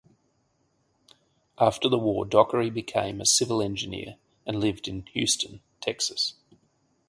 After the war, Dockery became a civil engineer and lived in Houston, Texas.